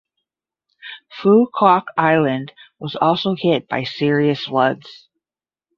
Phu Quoc island was also hit by serious floods.